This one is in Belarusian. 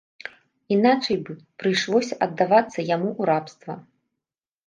Іначай бы прыйшлося аддавацца яму ў рабства.